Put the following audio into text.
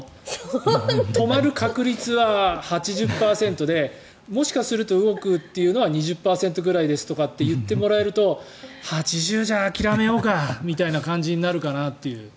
止まる確率は８０％でもしかすると動くというのは２０％ぐらいといってもらえると８０じゃ諦めようかみたいな感じになるかなっていう。